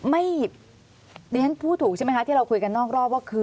ดิฉันพูดถูกใช่ไหมคะที่เราคุยกันนอกรอบว่าคือ